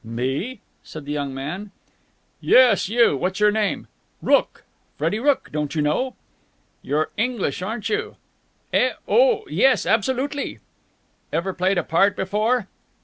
"Me?" said the young man. "Yes, you. What's your name?" "Rooke. Frederick Rooke, don't you know." "You're English, aren't you?" "Eh? Oh, yes, absolutely!" "Ever played a part before?"